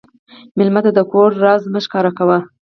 مېلمه ته د کور راز مه ښکاره کوه.